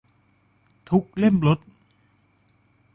ทุกเล่มลด